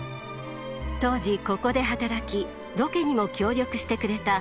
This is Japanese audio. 当時ここで働きロケにも協力してくれた吉永衛さん。